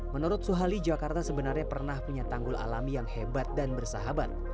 menurut suhali jakarta sebenarnya pernah punya tanggul alami yang hebat dan bersahabat